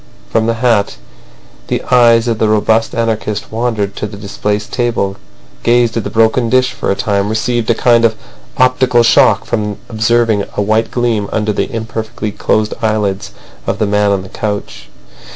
From the hat the eyes of the robust anarchist wandered to the displaced table, gazed at the broken dish for a time, received a kind of optical shock from observing a white gleam under the imperfectly closed eyelids of the man on the couch.